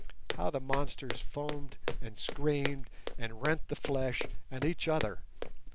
How the monsters foamed and screamed, and rent the flesh, and each other!